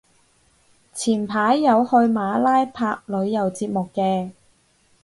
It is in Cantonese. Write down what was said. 前排有去馬拉拍旅遊節目嘅